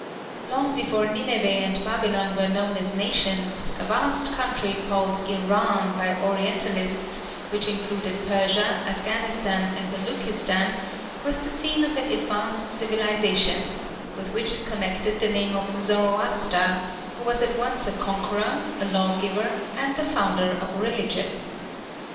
Long before Nineveh and Babylon were known as nations, a vast country, called Iran by orientalists, which included Persia, Afghanistan, and Beloochistan, was the scene of an advanced civilization, with which is connected the name of Zoroaster, who was at once a conqueror, a law giver, and the founder of a religion.